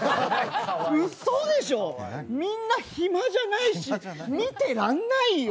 うそでしょう、みんな暇じゃないし見てらんないよ！